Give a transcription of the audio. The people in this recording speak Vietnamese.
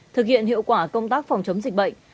thực hiện hiệu quả công tác phòng chống dịch bệnh